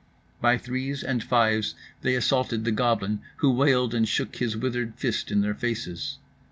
By threes and fives they assaulted the goblin who wailed and shook his withered fist in their faces.